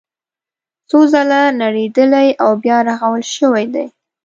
څو ځله نړېدلي او بیا رغول شوي دي.